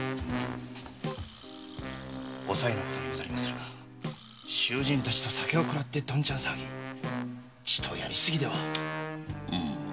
おさいのことでござりまするが囚人たちと酒をくらってドンチャン騒ぎちとやりすぎでは？